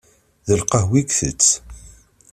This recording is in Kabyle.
D lqahwa i itess.